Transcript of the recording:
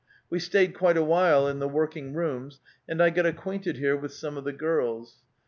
We stayed quite a while in the working rooms, and I got acquainted here with some of the girls.